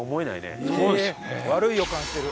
悪い予感してる。